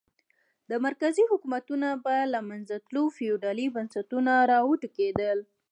د مرکزي حکومتونو په له منځه تلو فیوډالي بنسټونه را وټوکېدل.